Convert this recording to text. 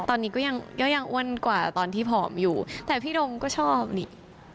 ตอนนี้ก็ยังก็ยังอ้วนกว่าตอนที่ผอมอยู่แต่พี่ดงก็ชอบนี่